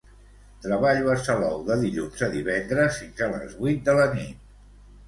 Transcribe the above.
Treballo a Salou de dilluns a divendres fins a les vuit de la nit.